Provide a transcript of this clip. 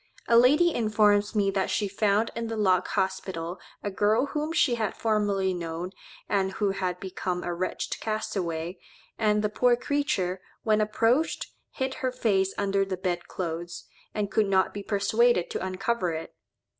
A lady informs me that she found in the Lock Hospital a girl whom she had formerly known, and who had become a wretched castaway, and the poor creature, when approached, hid her face under the bed clothes, and could not be persuaded to uncover it.